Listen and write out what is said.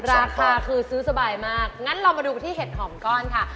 ราคาคือซื้อสบายมากงั้นเรามาดูกันที่เห็ดหอมก้อนค่ะ